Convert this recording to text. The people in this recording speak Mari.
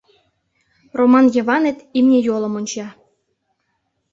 Роман Йыванет имне йолым онча: